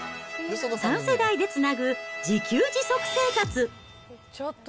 ３世代でつなぐ自給自足生活。